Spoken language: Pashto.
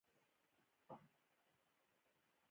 ازادي راډیو د اقتصاد د اړونده قوانینو په اړه معلومات ورکړي.